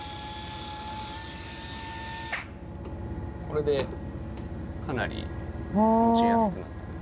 これでかなり持ちやすくなったと。